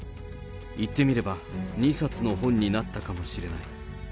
言ってみれば、２冊の本になったかもしれない。